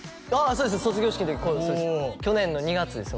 そうです卒業式の時去年の２月です